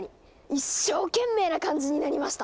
一生懸命な感じになりました！